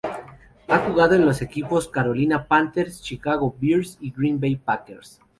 Ha jugado en los equipos Carolina Panthers, Chicago Bears y Green Bay Packers.